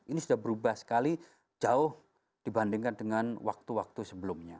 ini sudah berubah sekali jauh dibandingkan dengan waktu waktu sebelumnya